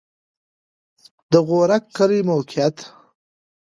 د غورک کلی موقعیت